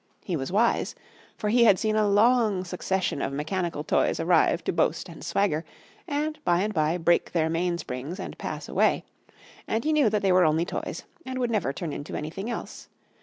He was wise, for he had seen a long succession of mechanical toys arrive to boast and swagger, and by and by break their mainsprings and pass away, and he knew that they were only toys, and would never turn into anything else.